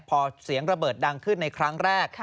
พอเสียงระเบิดดังขึ้นในครั้งแรก